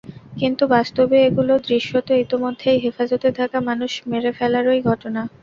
কিন্তু বাস্তবে এগুলো দৃশ্যত ইতিমধ্যেই হেফাজতে থাকা মানুষ মেরে ফেলারই ঘটনা।